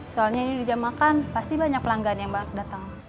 soalnya ini di jam makan pasti banyak pelanggan yang datang